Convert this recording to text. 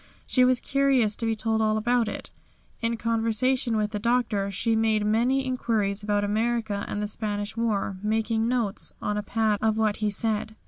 She was curious to be told all about it. In conversation with the Doctor she made many inquiries about America and the Spanish war, making notes on a pad of what he said.